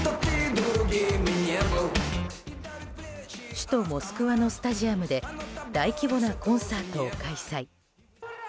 首都モスクワのスタジアムで大規模なコンサートを開催。